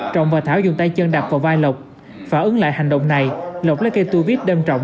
trọng và thảo dùng tay chân đạp vào vai lộc phả ứng lại hành động này lộc lấy cây tu viết đâm trọng